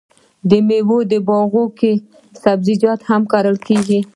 د میوو په باغونو کې سبزیجات هم کرل کیږي.